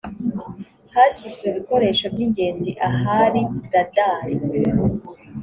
hashyizwe ibikoresho by ingenzi ahari radari